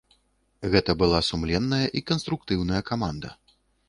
Гэта была сумленная і канструктыўная каманда.